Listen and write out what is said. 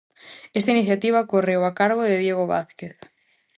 Esta iniciativa correu a cargo de Diego Vázquez.